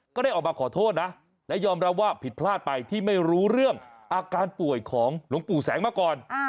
ก็ได้ออกมาขอโทษนะและยอมรับว่าผิดพลาดไปที่ไม่รู้เรื่องอาการป่วยของหลวงปู่แสงมาก่อน